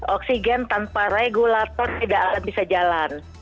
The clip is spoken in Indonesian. oksigen tanpa regulator tidak akan bisa jalan